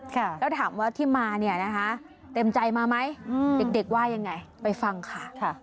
แล้วถามว่าที่มาเนี่ยนะคะเต็มใจมาไหมเด็กว่ายังไงไปฟังค่ะ